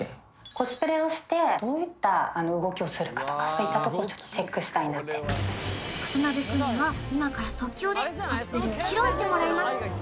コスプレをしてどういった動きをするかとかそういったとこをちょっとチェックしたいなって渡辺君には今から即興でコスプレを披露してもらいます